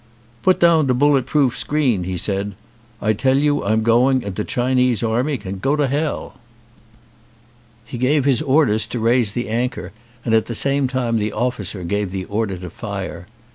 "Put down de bullet proof screen," he said. "I tell you I'm going and de Chinese army can go to hell." 219 ON A CHINESE SCREEN He gave his orders to raise the anchor and at the same time the officer gave the order to fire.